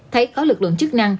thấy có lực lượng chức năng